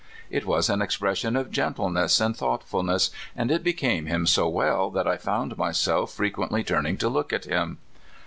It was an expression of gentleness and thoughtfulness, and it became him so well that I found myself frequently turning to look at him.